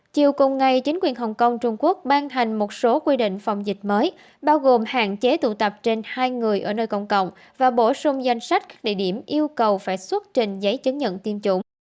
chiều cùng ngày chính quyền hồng kông trung quốc ban hành một số quy định phòng dịch mới bao gồm hạn chế tụ tập trên hai người ở nơi công cộng và bổ sung danh sách các địa điểm yêu cầu phải xuất trình giấy chứng nhận tiêm chủng